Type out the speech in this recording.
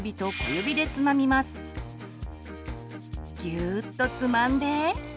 ギューッとつまんで。